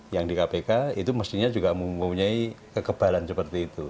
yang di kpk itu mestinya juga mempunyai kekebalan seperti itu